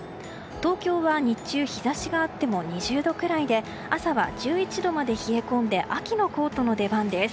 東京は日中日差しがあっても２０度くらいで朝は１１度まで冷え込んで秋のコートの出番です。